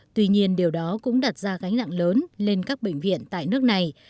tuy nhiên điều đó cũng đặt ra gánh nặng lớn lên các bệnh viện tại nước này